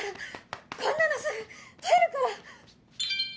こんなのすぐ取れるから！